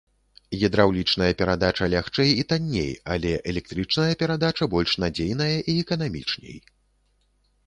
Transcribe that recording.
Гідраўлічная перадача лягчэй і танней, але электрычная перадача больш надзейная і эканамічней.